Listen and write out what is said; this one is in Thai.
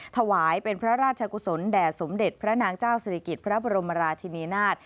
ถวายเป็นพระราชกุศลแด่สมเด็จพระนางเจ้าศิริกิจพระบรมราชินีนาฏ